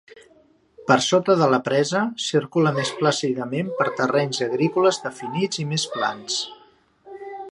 Per sota de la presa, circula més plàcidament per terrenys agrícoles definits i més plans.